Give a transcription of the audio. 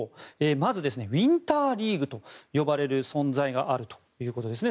まずウィンターリーグと呼ばれる存在があるということですね。